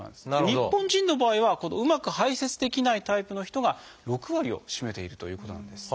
日本人の場合はこのうまく排せつできないタイプの人が６割を占めているということなんです。